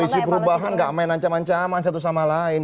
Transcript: koalisi perubahan gak main ancaman ancaman satu sama lain